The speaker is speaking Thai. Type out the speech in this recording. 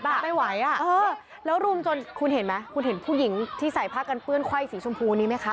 ไม่ไหวอ่ะเออแล้วรุมจนคุณเห็นไหมคุณเห็นผู้หญิงที่ใส่ผ้ากันเปื้อนไขว้สีชมพูนี้ไหมคะ